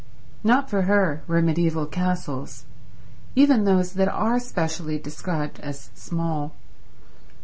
Not for her were mediaeval castles, even those that are specially described as small.